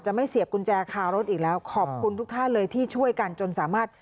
ไม่เสียบกุญแจคารถอีกแล้วขอบคุณทุกท่านเลยที่ช่วยกันจนสามารถ